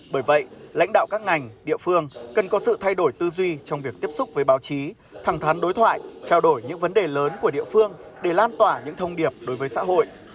bởi vậy lãnh đạo các ngành địa phương cần có sự thay đổi tư duy trong việc tiếp xúc với báo chí thẳng thắn đối thoại trao đổi những vấn đề lớn của địa phương để lan tỏa những thông điệp đối với xã hội